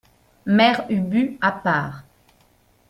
Mère Ubu , à part.